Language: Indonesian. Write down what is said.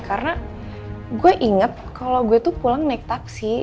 karena gue inget kalau gue tuh pulang naik taksi